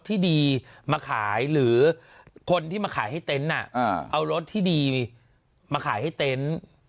ที่ดีมาขายหรือคนที่มาขายให้เต็นต์เอารถที่ดีมาขายให้เต็นต์